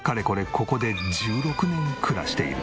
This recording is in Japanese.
ここで１６年暮らしている。